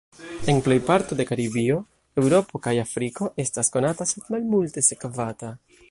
En plej parto de Karibio, Eŭropo kaj Afriko estas konata sed malmulte sekvata.